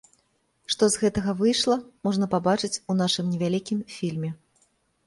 Што з гэтага выйшла, можна пабачыць у нашым невялікім фільме.